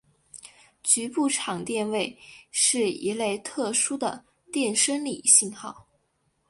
局部场电位是一类特殊的电生理信号。